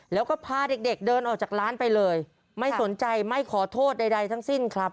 แล้วก็พาเด็กเดินออกจากร้านไปเลยไม่สนใจไม่ขอโทษใดทั้งสิ้นครับ